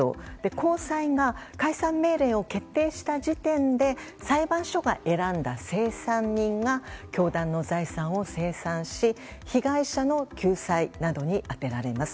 高裁が解散命令を決定した時点で裁判所が選んだ清算人が教団の財産を清算し、被害者の救済などに充てられます。